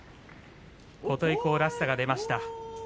琴恵光らしさが出ました。